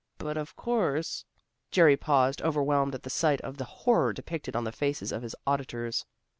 But, of course " Jerry paused, overwhelmed at the sight of the horror depicted on the faces of his auditors.